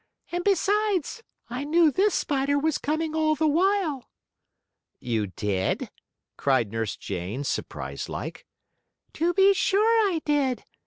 And besides, I knew this spider was coming all the while." "You did?" cried Nurse Jane, surprised like. "To be sure I did.